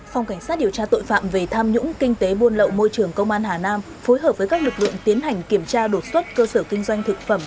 phòng cảnh sát điều tra tội phạm về tham nhũng kinh tế buôn lậu môi trường công an hà nam phối hợp với các lực lượng tiến hành kiểm tra đột xuất cơ sở kinh doanh thực phẩm